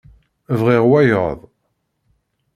Bɣiɣ wayeḍ.